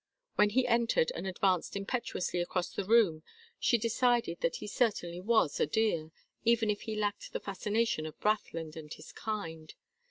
When he entered and advanced impetuously across the room she decided that he certainly was a dear, even if he lacked the fascination of Brathland and his kind.